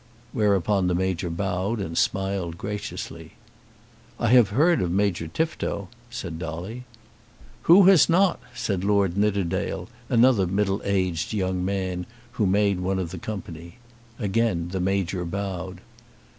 Whereupon the Major bowed and smiled graciously. "I have heard of Major Tifto," said Dolly. "Who has not?" said Lord Nidderdale, another middle aged young man, who made one of the company. Again the Major bowed.